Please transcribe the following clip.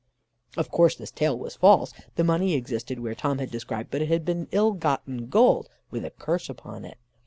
"Of course this tale was false. The money existed where Tom had described, but it had been ill gotten gold, with a curse upon it.